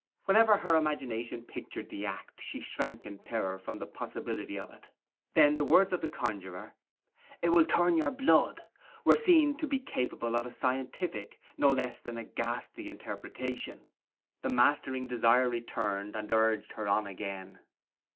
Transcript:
Whenever her imagination pictured the act she shrank in terror from the possibility of it: then the words of the conjuror, 'It will turn your blood,' were seen to be capable of a scientific no less than a ghastly interpretation; the mastering desire returned, and urged her on again.